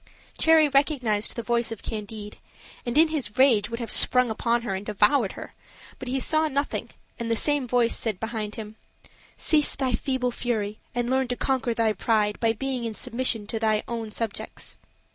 Cherry recognized the voice of Candide, and in his rage would have sprung upon her and devoured her; but he saw nothing and the same voice said behind him: "Cease thy feeble fury, and learn to conquer thy pride by being in submission to thine own subjects."